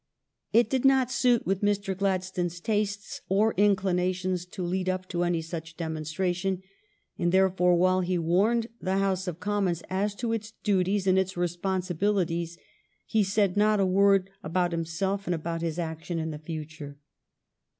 It did not suit with Mr. Gladstone's tastes or inclinations to lead up to any such demonstration, and therefore while he warned the House of Commons as to its duties and its responsibilities he said not a word about himself and about his action in the future.